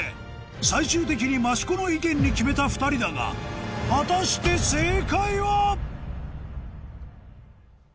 最終的に益子の意見に決めた２人だが果たして正解は？